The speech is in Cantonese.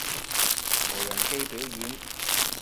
無人機表演